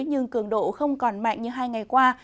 nhưng cường độ không còn mạnh như hai ngày qua